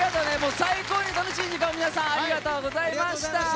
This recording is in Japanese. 最高に楽しい時間を皆さんありがとうございました。